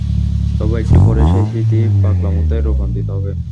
তবে একটু পরেই সেই স্মৃতি পাগলামোতে রূপান্তরিত হবে।